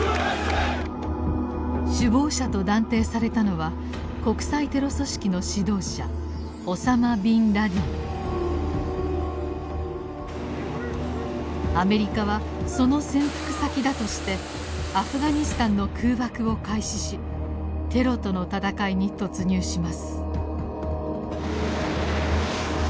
首謀者と断定されたのはアメリカはその潜伏先だとしてアフガニスタンの空爆を開始しテロとの戦いに突入します。